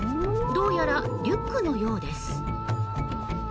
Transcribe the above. どうやらリュックのようです。